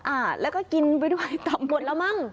อ่าแล้วก็กินไปด้วยทำหมดแล้วมั้ง